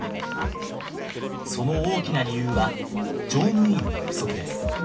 その大きな理由は乗務員の不足です。